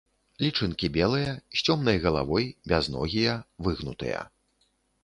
Лічынкі белыя, з цёмнай галавой, бязногія, выгнутыя.